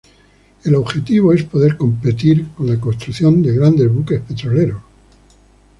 El objetivo es poder competir con la construcción de grandes buques petroleros.